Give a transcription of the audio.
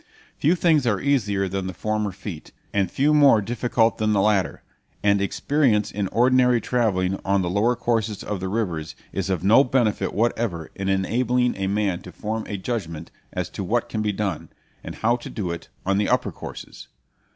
Few things are easier than the former feat, and few more difficult than the latter; and experience in ordinary travelling on the lower courses of the rivers is of no benefit whatever in enabling a man to form a judgement as to what can be done, and how to do it, on the upper courses.